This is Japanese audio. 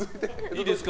いいですか？